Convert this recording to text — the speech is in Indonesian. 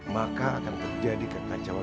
maka akan terjadi ketacauan